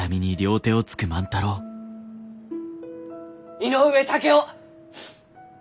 井上竹雄！